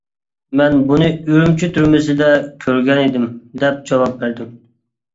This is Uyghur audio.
مەن بۇنى ئۈرۈمچى تۈرمىسىدە كۆرگەنىدىم، دەپ جاۋاب بەردىم.